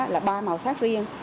là ba màu sắc riêng